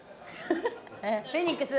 フェニックス。